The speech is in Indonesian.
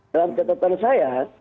dalam kata kata saya